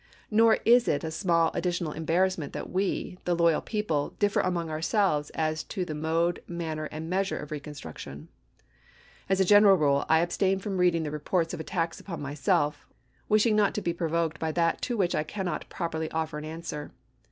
Nor is it a small additional embarrassment 458 ABRAHAM LINCOLN chap. xix. that we, the loyal people, differ among ourselves as to the mode, manner, and measure of reconstruc tion. As a general rule, I abstain from reading the reports of attacks upon myself, wishing not to be provoked by that to which I cannot properly offer an answer.